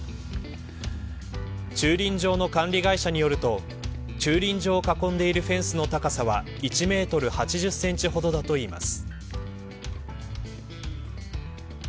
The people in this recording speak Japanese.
駐輪場の管理会社によると駐輪場を囲んでいるフェンスの高さは１メートル８０センチほどだといいます。